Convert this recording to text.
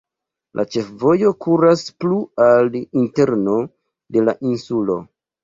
La ĉefvojo kuras plu al interno de la insulo.